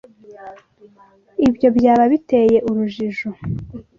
Ibyo byaba biteye urujijo.